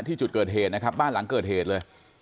ที่จุดเกิดเหตุนะครับบ้านหลังเกิดเหตุเลย